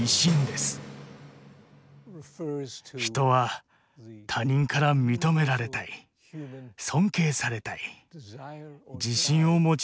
人は他人から認められたい尊敬されたい自信を持ちたいと思っています。